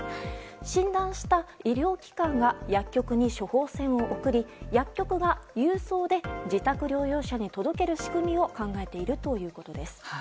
診断した医療機関が薬局に処方箋を送り薬局が郵送で自宅療養者に届ける仕組みを考えているということです。